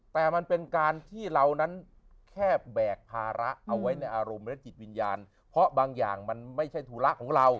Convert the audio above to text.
แต่มันเป็นการที่เรานั้นแค่แบกภาระเอาไว้ในอารมณ์และจิตวิญญาณเพราะบางอย่างมันไม่ใช่ธุระของเรา